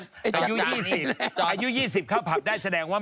อายุ๒๐ข้าวผักได้แสดงว่า